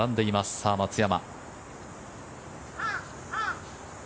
さあ、松山。